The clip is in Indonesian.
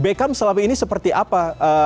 beckham selama ini seperti apa